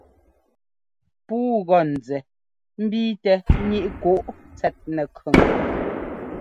Puu gɔ́ nzɛ mbiitɛ ŋíʼ kǔ tsɛt nɛkʉn.